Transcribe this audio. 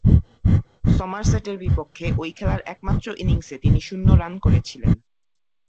সমারসেটের বিপক্ষে ঐ খেলার একমাত্র ইনিংসে তিনি শূন্য রান করেছিলেন।